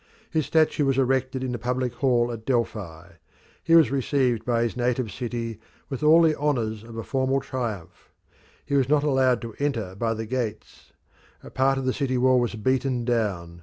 His statue was erected in the public hall at Delphi; he was received by his native city with all the honours of a formal triumph; he was not allowed to enter by the gates a part of the city wall was beaten down.